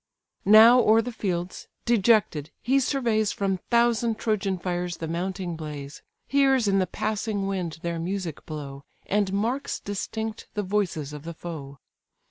Now o'er the fields, dejected, he surveys From thousand Trojan fires the mounting blaze; Hears in the passing wind their music blow, And marks distinct the voices of the foe.